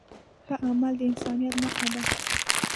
ښه عمل د انسانیت نښه ده.